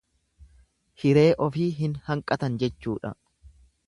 Hiree ofii hin hanqatan jechuudha.